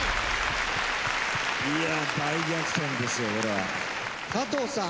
いや大逆転ですよこれは。佐藤さん